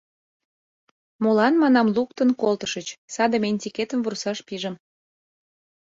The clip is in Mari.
— «Молан, — манам, — луктын колтышыч? — саде ментикетым вурсаш пижым.